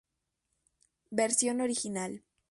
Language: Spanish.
Versión Original